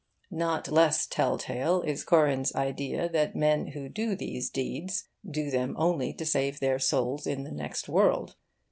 Not less tell tale is Corin's idea that men who do these 'deeds' do them only to save their souls in the next world.